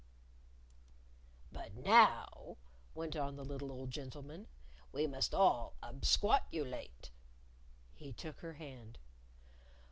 "But now," went on the little old gentleman, "we must all absquatulate." He took her hand.